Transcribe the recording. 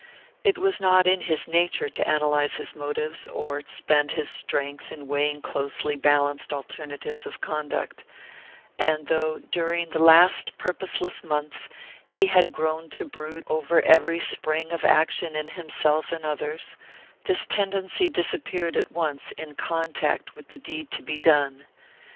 It was not in his nature to analyze his motives, or spend his strength in weighing closely balanced alternatives of conduct; and though, during the last purposeless months, he had grown to brood over every spring of action in himself and others, this tendency disappeared at once in contact with the deed to be done.